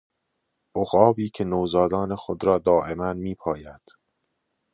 عقابی که نوزادان خود را دایما میپاید.